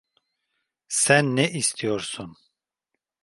Sen ne istiyorsun?